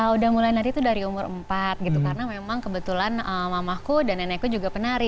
udah mulai nari tuh dari umur empat gitu karena memang kebetulan mamaku dan nenekku juga penari